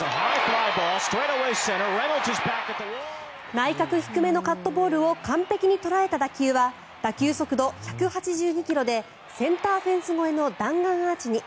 内角低めのカットボールを完璧に捉えた打球は打球速度１８２ｋｍでセンターフェンス越えの弾丸アーチに。